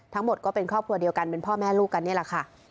ทั้งหมดก็เป็นครอบครัวเดียวกันเป็นพ่อแม่ลูกกันนี่แหละค่ะ